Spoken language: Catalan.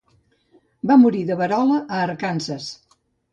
Va morir de verola a Arkansas.